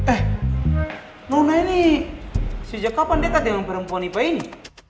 eh nuna ini sejak kapan dekat dengan perempuan ipa ini